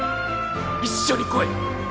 一緒に来い